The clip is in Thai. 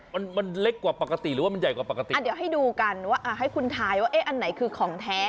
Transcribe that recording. มันมันเล็กกว่าปกติหรือว่ามันใหญ่กว่าปกติอ่าเดี๋ยวให้ดูกันว่าอ่าให้คุณทายว่าเอ๊ะอันไหนคือของแท้